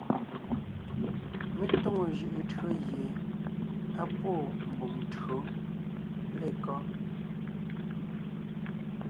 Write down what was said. Mé tóŋo jʉʼʉ tÿǒ gie á pwóon mbùm tÿǒ lekɔ́?